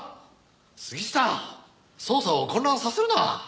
杉下捜査を混乱させるな。